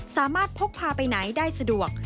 สามารถพกพาไปไหนได้สะดวก